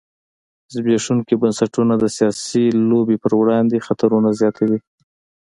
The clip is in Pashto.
زبېښونکي بنسټونه د سیاسي لوبې پر وړاندې خطرونه زیاتوي.